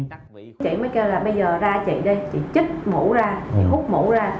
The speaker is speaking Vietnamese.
chị mới kêu là bây giờ ra chị đây chị chích mũi ra chị hút mũi ra